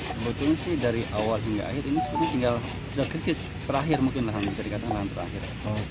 sebetulnya sih dari awal hingga akhir ini sebetulnya tinggal sudah krisis terakhir mungkin lah bisa dikatakan lahan terakhir